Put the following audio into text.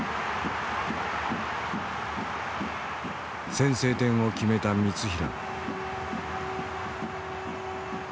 先制点を決めた三平。